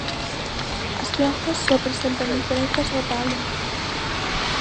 As plantas só presentan diferenzas no talo.